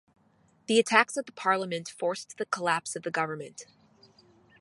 The attacks at the Parliament forced the collapse of the government.